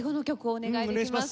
お願いします！